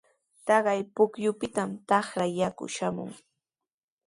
Taqay pukyupitami trakraaman yaku shamun.